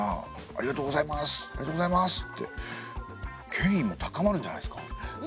権威も高まるんじゃないですか？